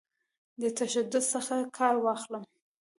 تشدد څخه کار واخلم.